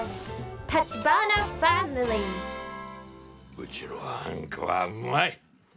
うちのあんこはうまい。